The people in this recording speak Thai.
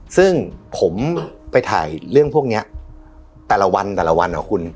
ซึ่งผมไปถ่ายเรื่องพวกนี้แต่ละวันหรอคุณ